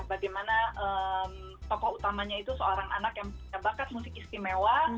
bagaimana tokoh utamanya itu seorang anak yang punya bakat musik istimewa